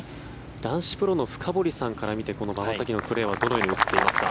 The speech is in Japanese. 男子プロの深堀さんから見て馬場咲希のプレーはどう映っていますか？